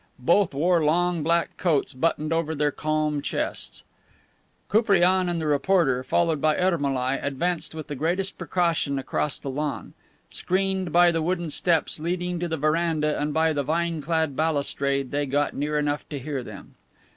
Both wore long black coats buttoned over their calm chests. Koupriane and the reporter, followed by Ermolai, advanced with the greatest precaution across the lawn. Screened by the wooden steps leading to the veranda and by the vine clad balustrade, they got near enough to hear them.